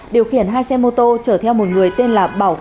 điều khiển hai xe mô tô chở theo một người tên là phạm văn sang